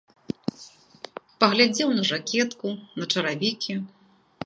Паглядзеў на жакетку, на чаравікі.